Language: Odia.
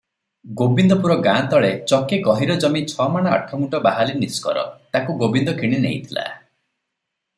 ଗୋବିନ୍ଦପୁର ଗାଁତଳେ ଚକେ ଗହୀର ଜମି ଛମାଣ ଆଠଗୁଣ୍ତ ବାହାଲି ନିଷ୍କର, ତାକୁ ଗୋବିନ୍ଦ କିଣିନେଇଥିଲା ।